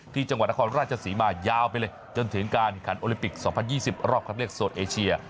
จังหวัดนครราชศรีมายาวไปเลยจนถึงการขันโอลิมปิก๒๐๒๐รอบคัดเลือกโซนเอเชีย